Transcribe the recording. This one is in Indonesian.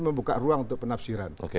membuka ruang untuk penafsiran